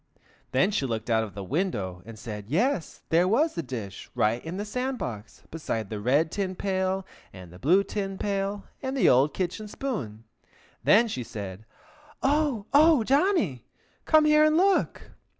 Then she looked out of the window, and said yes, there was the dish, right in the sand box, beside the red tin pail and the blue tin pail and the old kitchen spoon. Then she said, "Oh! oh, Johnny, come here and look!"